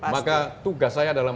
maka tugas saya adalah